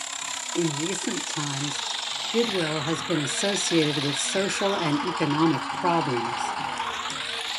In recent times, Bidwill has been associated with social and economic problems.